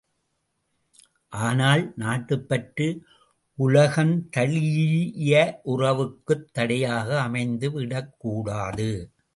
ஆனால் நாட்டுப் பற்று உலகந்தழீஇய உறவுக்குத் தடையாக அமைந்து விடக் கூடாது.